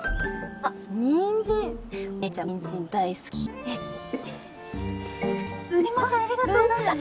あっすみませんありがとうございます。